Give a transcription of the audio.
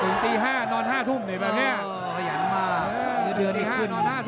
ถึงตี๕นอน๕ทุ่มเลยแบบนี้